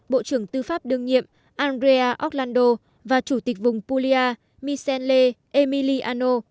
bộ trưởng tư pháp đương nhiệm andrea orlando và chủ tịch vùng puglia micelle emiliano